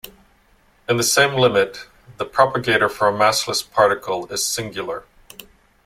In the same limit, the propagator for a massless particle is singular.